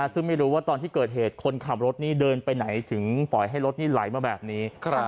ซึ่งไม่รู้ว่าตอนที่เกิดเหตุคนขับรถนี่เดินไปไหนถึงปล่อยให้รถนี่ไหลมาแบบนี้